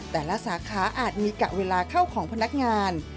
แต่ละสาขาอาจมีกะเวลาเข้าของพนักงาน